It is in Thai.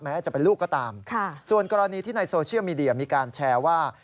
จะเป็นลูกก็ตามส่วนกรณีที่ในโซเชียลมีเดียมีการแชร์ว่า